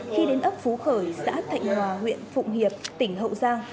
khi đến ấp phú khởi xã thạnh hòa huyện phụng hiệp tỉnh hậu giang